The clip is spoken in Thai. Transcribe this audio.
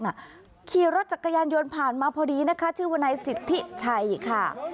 ขี่รถจักรยานยนต์ผ่านมาพอดีนะคะชื่อวนายสิทธิชัยค่ะ